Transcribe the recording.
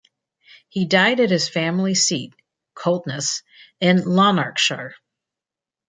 He died at his family seat, Coltness, in Lanarkshire.